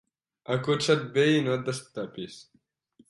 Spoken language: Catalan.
Acotxa't bé i no et destapis.